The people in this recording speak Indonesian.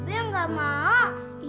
mabek gak mau